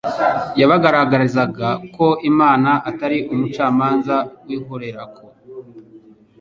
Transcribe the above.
Yabagaragarizaga ko Imana atari Umucamanza wihorerako